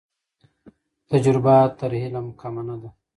تجربه تر علم کمه نه ده.